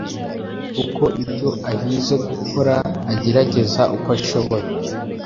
kuko ibyo ahize gukora agerageza uko ashoboye